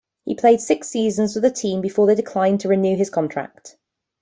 He played six seasons with the team before they declined to renew his contract.